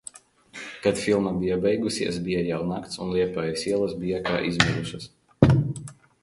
Kad filma bija beigusies, bija jau nakts un Liepājas ielas bija kā izmirušas.